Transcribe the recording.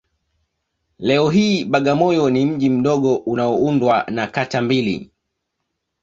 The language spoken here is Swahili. Leo hii Bagamoyo ni mji mdogo unaoundwa na kata mbili